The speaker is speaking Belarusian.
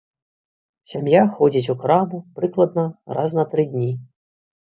Сям'я ходзіць у краму прыкладна раз на тры дні.